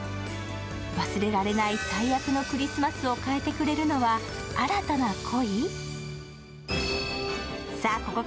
忘れられない最悪のクリスマスを変えてくれるのは新たな恋？